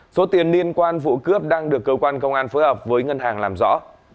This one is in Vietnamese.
số tiền liên quan vụ cướp đang được cơ quan công an phối hợp với ngân hàng làm rõ